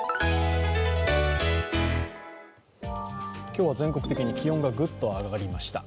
今日は、全国的に気温がグッと上がりました。